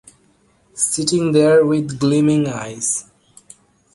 Sitting there with gleaming eyes.